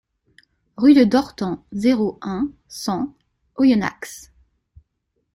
Rue de Dortan, zéro un, cent Oyonnax